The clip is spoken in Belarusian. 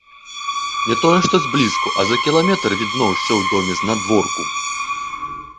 Не тое што зблізку, а за кіламетр відно ўсё ў доме знадворку.